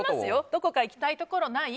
どこか行きたいところない？